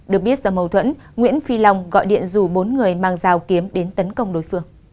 được biết do mâu thuẫn nguyễn phi long gọi điện rủ bốn người mang dao kiếm đến tấn công đối phương